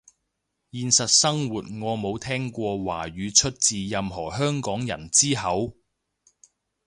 現實生活我冇聽過華語出自任何香港人之口